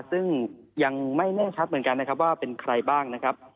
ซึ่งยังไม่แน่ชัดเหมือนกันนะครับว่าเป็นใครบ้างนะครับ